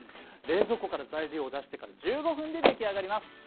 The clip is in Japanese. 冷蔵庫から材料を出してから１５分で出来上がります。